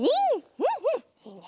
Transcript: うんうんいいね。